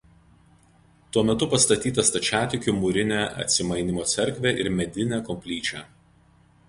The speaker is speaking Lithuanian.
Tuo metu pastatyta stačiatikių mūrinė Atsimainymo cerkvė ir medinė koplyčia.